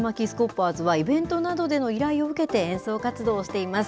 パーズは、イベントなどでの依頼を受けて演奏活動をしています。